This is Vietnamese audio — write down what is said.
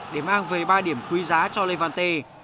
để mang về ba điểm quý giá cho levante